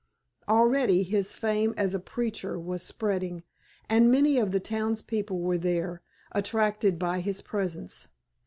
Already his fame as a preacher was spreading, and many of the townspeople were there, attracted by his presence.